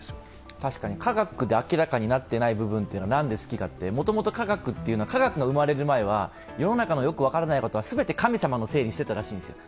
確かに科学で明らかになっていない部分が何で好きかって、科学が生まれる前は世の中のよく分からないことは全て神様のせいにしていたらしいんですよ。